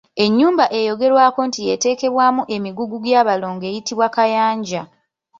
Ennyumba eyogerwako nti y’eterekebwamu emigugu gy’abalongo eyitibwa Kayanja.